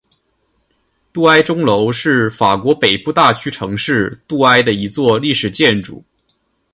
杜埃钟楼是法国北部大区城市杜埃的一座历史建筑。